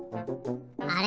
あれ？